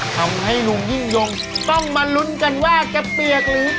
ทำให้ลุงยิ่งยงต้องมาลุ้นกันว่าจะเปียกหรือ